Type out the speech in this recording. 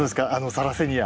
サラセニア。